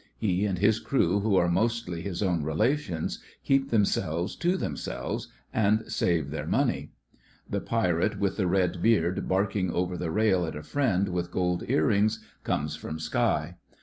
He and his crew, who are mostly his own relations, keep themselves to themselves, and save their money. The pirate with the red beard barking over the rail at a friend with gold earrings comes from Skye.